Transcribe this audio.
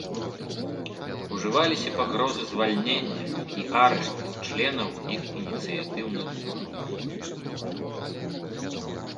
Ужываліся пагрозы звальнення і арышты членаў іх ініцыятыўных груп.